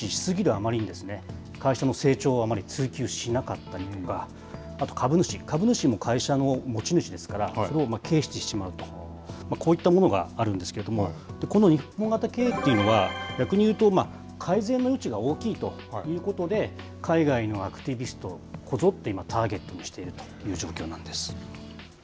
あまりに、会社の成長をあまり追求しなかったりとか、株主も会社の持ち主ですから、それを軽視してしまうと、こういったものがあるんですけれども、この日本型経営というのは、逆にいうと改善の余地が大きいということで、海外のアクティビスト、こぞって今、ターゲットにしているという状況なんです。